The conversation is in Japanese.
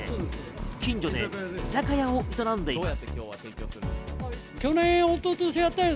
近所で居酒屋を営んでいます。